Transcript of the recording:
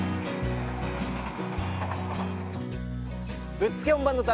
ぶっつけ本番の旅